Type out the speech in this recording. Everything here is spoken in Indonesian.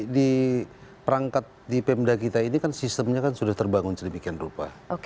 di perangkat di pemda kita ini kan sistemnya kan sudah terbangun sedemikian rupa